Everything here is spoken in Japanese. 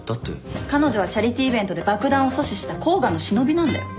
彼女はチャリティーイベントで爆弾を阻止した甲賀の忍びなんだよ？